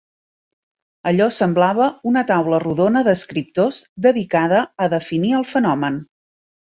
Allò semblava una taula rodona d'escriptors dedicada a definir el fenomen.